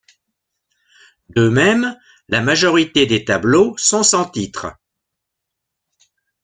De même, la majorité des tableaux sont sans titre.